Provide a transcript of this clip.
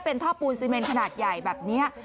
เป็นท่อปูนซีเมนขนาดใหญ่แบบนี้